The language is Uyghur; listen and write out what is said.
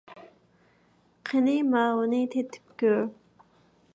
قېنى، ماۋۇنى تېتىپ كۆر!